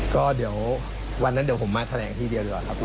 ก็เดี๋ยววันนั้นเดี๋ยวผมมาแถลงทีเดียวดีกว่าครับ